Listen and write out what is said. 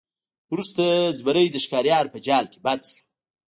وروسته زمری د ښکاریانو په جال کې بند شو.